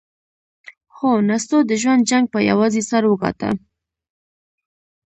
هو، نستوه د ژوند جنګ پهٔ یوازې سر وګاټهٔ!